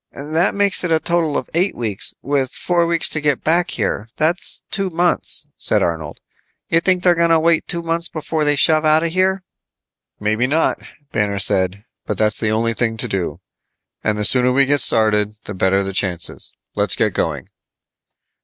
"That makes it a total of eight weeks, with four weeks to get back here. That's two months," said Arnold. "You think they're gonna wait two months before they shove out of here?" "Maybe not," Banner said. "But that's the only thing to do. And the sooner we get started the better the chances. Let's get going."